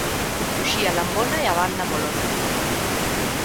Uxía Lambona e a Banda Molona.